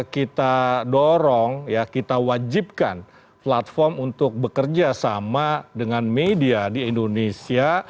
kita dorong ya kita wajibkan platform untuk bekerja sama dengan media di indonesia